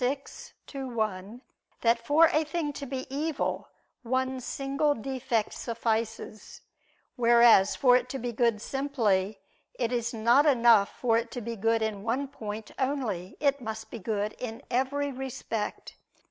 6, ad 1), that for a thing to be evil, one single defect suffices, whereas, for it to be good simply, it is not enough for it to be good in one point only, it must be good in every respect.